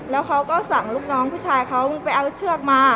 แล้วเขาก็สั่งลูกน้องผู้ชายเขาไปเอาเชือกมา